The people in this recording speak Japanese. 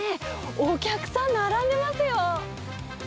お客さん、並んでいますよ。